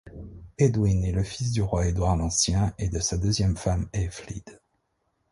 Edwin est le fils du roi Édouard l'Ancien et de sa deuxième femme Ælfflæd.